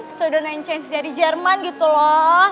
student and change dari jerman gitu loh